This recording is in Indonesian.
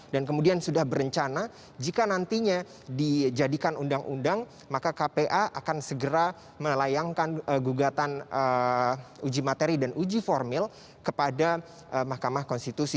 dan kemudian sudah berencana jika nantinya dijadikan undang undang maka kpa akan segera melayangkan gugatan uji materi dan uji formil kepada mahkamah konstitusi